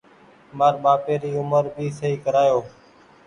مآر ٻآپي ري اومر ڀي سئي ڪرايو۔